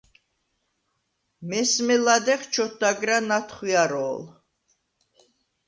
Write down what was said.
მესმე ლადეღ ჩოთდაგრა ნათხვიარო̄ლ.